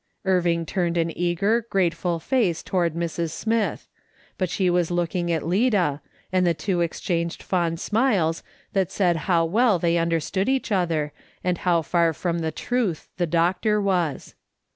Irving turned an eager, grateful face towards Mrs. Smith, but she was looking at Lida, and the two ex changed fond smiles that said how well they under stood each other, and how far from the truth the doctor was.